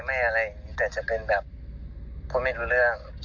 ไม่อะไรแบบนั้นแต่จะเป็นพูดไม่ถูกเรื่อง